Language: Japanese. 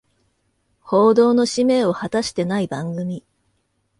報道の使命を果たしてない番組